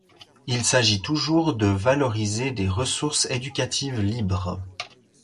Il s'agit toujours de valoriser des Ressources éducatives libres.